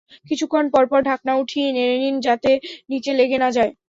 কিছুক্ষণ পরপর ঢাকনা উঠিয়ে নেড়ে দিন, যাতে নিচে লেগে না যায়।